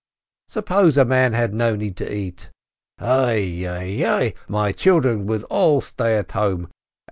"Suppose a man had no need to eat ! Ai — ai — ai ! My children would all stay at home!